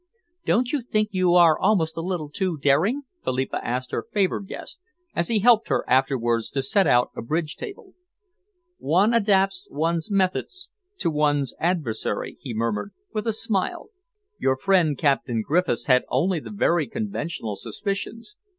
"Don't you think you are almost a little too daring?" Philippa asked her favoured guest as he helped her afterwards to set out a bridge table. "One adapts one's methods to one's adversary," he murmured, with a smile, "Your friend Captain Griffiths had only the very conventional suspicions.